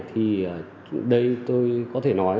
thì tôi có thể nói